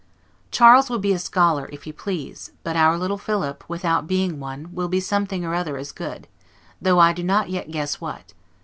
Charles will be a scholar, if you please; but our little Philip, without being one, will be something or other as good, though I do not yet guess what.